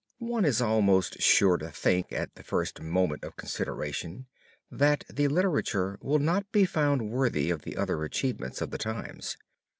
One is almost sure to think at the first moment of consideration that the literature will not be found worthy of the other achievements of the times.